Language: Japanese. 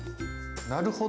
なるほど。